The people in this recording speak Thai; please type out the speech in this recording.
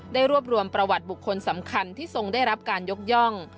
ได้รวบรวมประวัติบุคคลสำคัญที่ทรงได้รับการยกย่อง